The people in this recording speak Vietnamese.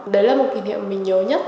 đấy là một kỷ niệm mình nhớ nhất